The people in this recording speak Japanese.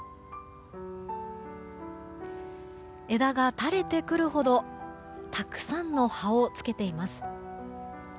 枝が垂れてくるほどたくさんの葉をつけています。